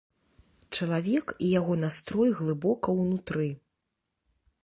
Чалавек і яго настрой глыбока ўнутры.